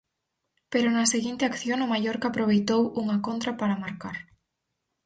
Pero na seguinte acción o Mallorca aproveitou unha contra para marcar.